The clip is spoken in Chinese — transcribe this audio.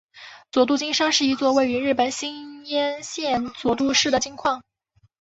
佐渡金山是一座位于日本新舄县佐渡市的金矿。